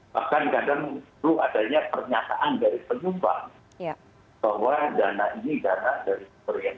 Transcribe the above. bahkan kadang perlu adanya pernyataan dari penumpang bahwa dana ini dana dari suku yang